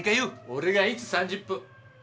俺がいつ３０分。